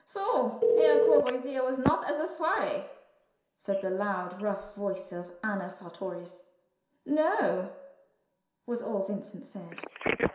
"So Herr Courvoisier was not at the soirée," said the loud, rough voice of Anna Sartorius. "No," was all Vincent said.